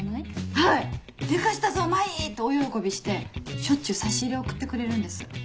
はい「でかしたぞ麻依！」って大喜びしてしょっちゅう差し入れ送ってくれるんです。